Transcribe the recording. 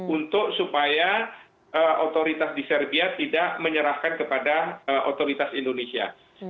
untuk supaya otoritas di serbia tidak menyerahkan kepada otoritas indonesia